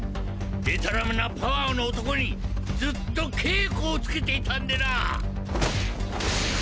デタラメなパワーの男にずっと稽古をつけていたんでな！